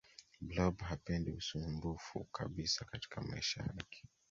blob hapendi ususmbufu kabisa katika maisha yake